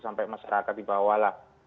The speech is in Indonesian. sampai masyarakat di bawah lah